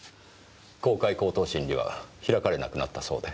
公開口頭審理は開かれなくなったそうで。